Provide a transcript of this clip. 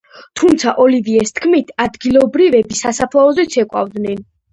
თუმცა, ოლივიეს თქმით, ადგილობრივები სასაფლაოზე ცეკვავენ.